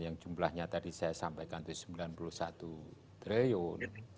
yang jumlahnya tadi saya sampaikan itu sembilan puluh satu triliun